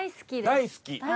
大好き？